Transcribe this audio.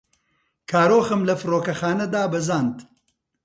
کارۆخم لە فڕۆکەخانە دابەزاند.